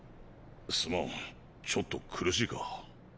すまんちょっと苦しいか。